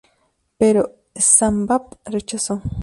Pero Smbat rechazó.